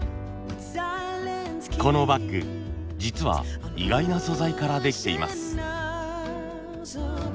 このバッグ実は意外な素材からできています。